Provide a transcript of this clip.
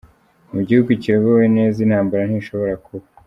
Mu gihugu kiyobowe neza intambara ntishobora kuba